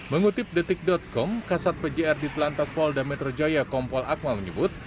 mengutip detik com kasat pjr di telantas polda metro jaya kompol akmal menyebut